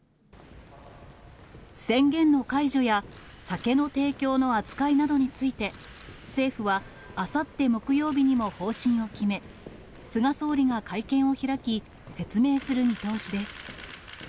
宣言の解除や酒の提供の扱いなどについて、政府は、あさって木曜日にも方針を決め、菅総理が会見を開き、説明する見通しです。